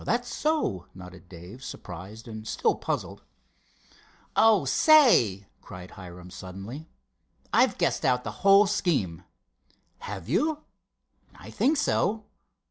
"That's so," nodded Dave, surprised and still puzzled. "Oh, say!" cried Hiram, suddenly, "I've guessed out the whole scheme." "Have you?" "I think so."